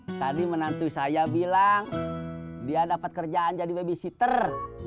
hai tadi menantu saya bilang dia dapat kerjaan jadi babysitter